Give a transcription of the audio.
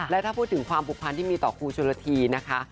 และถ้าพูดถึงความผูกพันที่มีต่อครูชนละทีนะคะ